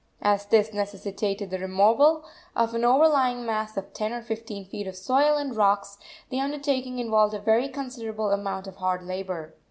As this necessitated the removal of an overlying mass of ten or fifteen feet of soil and rocks, the undertaking involved a very considerable amount of hard labor.